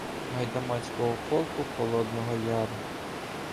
— Гайдамацького полку Холодного Яру.